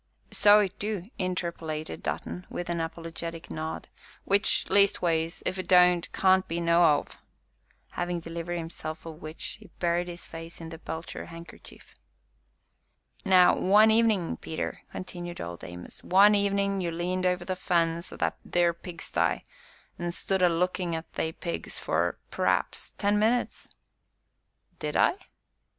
"So it du," interpolated Dutton, with an apologetic nod, "which, leastways, if it don't, can't be no'ow!" having delivered himself of which, he buried his face in the belcher handkerchief. "Now, one evenin', Peter," continued Old Amos, "one evenin' you leaned over the fence o' that theer pigsty an' stood a lookin' at they pigs for, p'r'aps, ten minutes." "Did I?"